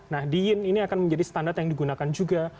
nah diin ini akan menjadi standar yang digunakan juga